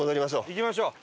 行きましょう。